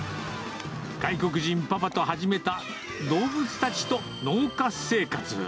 外国人パパと始めた、動物たちと農家生活。